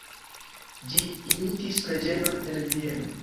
Ĝi imitis preĝejon en Vieno.